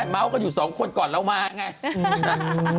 เมาส์กันอยู่สองคนก่อนเรามาไง